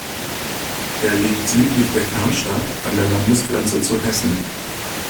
Er liegt südlich der Kernstadt an der Landesgrenze zu Hessen.